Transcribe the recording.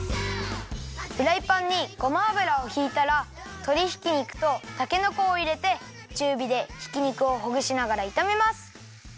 フライパンにごま油をひいたらとりひき肉とたけのこをいれてちゅうびでひき肉をほぐしながらいためます。